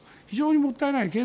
非常にもったいない。